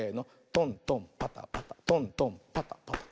トントンパタパタトントンパタパタ。